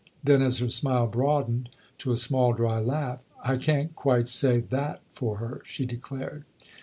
Then as her smile broadened to a small, dry laugh, " I can quite say that for her !" she declared.